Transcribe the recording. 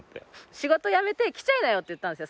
仕事辞めて来ちゃいなよって言ったんですよ。